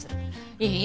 いい？